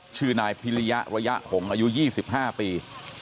ชื่อนายพิริยะระยะหงอายุยี่สิบห้าปี